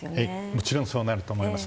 もちろん、そうなると思います。